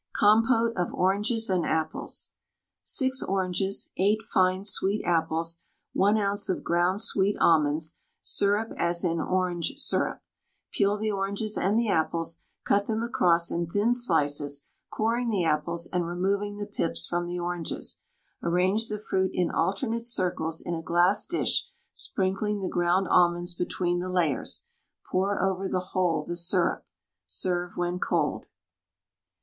COMPÔTE OF ORANGES AND APPLES. 6 oranges, 8 fine sweet apples, 1 oz. of ground sweet almonds, syrup as in "Orange Syrup." Peel the oranges and the apples, cut them across in thin slices, coring the apples and removing the pips from the oranges. Arrange the fruit into alternate circles in a glass dish, sprinkling the ground almonds between the layers. Pour over the whole the syrup. Serve when cold.